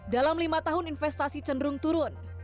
dalam lima tahun investasi cenderung turun